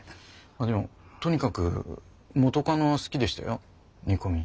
あっでもとにかく元カノは好きでしたよ煮込み。